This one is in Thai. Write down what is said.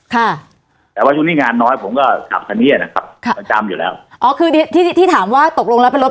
ค่ะแต่ว่าช่วงนี้งานน้อยผมก็ขับคันนี้อ่ะนะครับค่ะประจำอยู่แล้วอ๋อคือที่ที่ถามว่าตกลงแล้วเป็นรถ